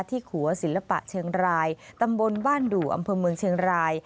ขัวศิลปะเชียงรายตำบลบ้านดู่อำเภอเมืองเชียงราย